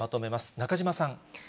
中島さん。